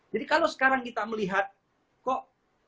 jadi kalau sekarang kita melihat kok